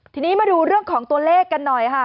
ทีนี้มาดูเรื่องของตัวเลขกันหน่อยค่ะ